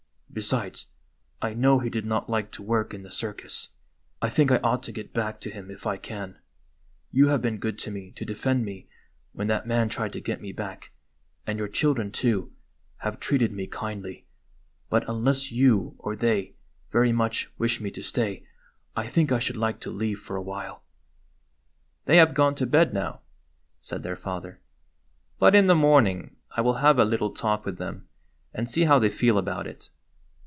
Besides, I know he did not like to work in the circus. I think I ought to get back to him if I can. You have been good to me to defend me when that man tried to get me back, and your children, too, have treated me kindly ; but unless you or they very much wish me* to stay, I think I should like to leave for a while/' "They have gone to bed now," said their father; " but in the morning I will have a little talk with them, and see how they feel about it."